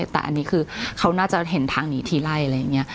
แต่อันนี้คือเขาน่าจะเห็นทางหนีทีไล่อะไรอย่างนี้